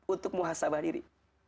untuk muhasabah diri